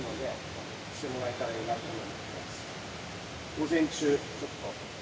・午前中ちょっと。